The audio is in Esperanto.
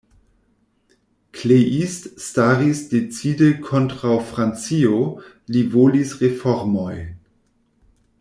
Kleist staris decide kontraŭ Francio, li volis reformojn.